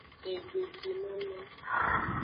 Egbejinono.